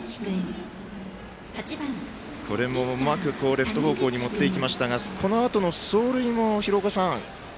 これも、うまくレフト方向に持っていきましたがこのあとの走塁も、廣岡さん。